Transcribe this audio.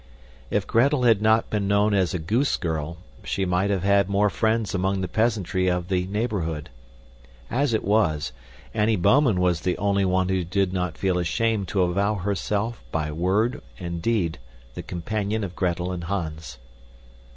If Gretel had not been known as a goose girl, she might have had more friends among the peasantry of the neighborhood. As it was, Annie Bouman was the only one who did not feel ashamed to avow herself by word and deed the companion of Gretel and Hans.